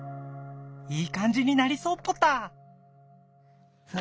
いいかんじになりそうポタ！